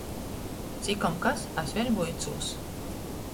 Cikom kas es vēļ vuicūs.